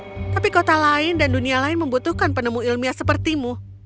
tetapi kota dan dunia lain membutuhkan penemu ilmiah seperti kamu